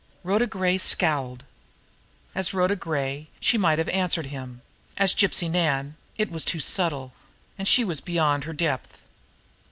Rhoda Gray scowled. As Rhoda Gray, she might have answered him; as Gypsy Nan, it was too subtle, and she was beyond her depth.